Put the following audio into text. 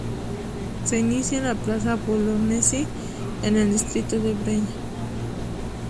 Se inicia en la plaza Bolognesi en el distrito de Breña.